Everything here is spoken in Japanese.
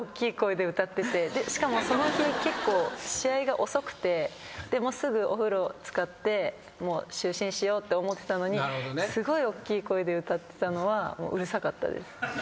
しかもその日結構試合が遅くてすぐお風呂漬かって就寝しようって思ってたのにすごいおっきい声で歌ってたのはうるさかったです。